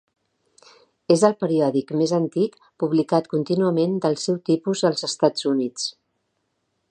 És el periòdic més antic publicat contínuament del seu tipus als Estats Units.